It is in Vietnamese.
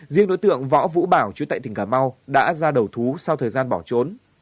riêng đối tượng võ vũ bảo chú tại tỉnh cà mau đã ra đầu thú sau thời gian bỏ trốn